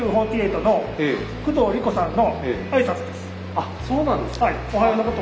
あっそうなんですね。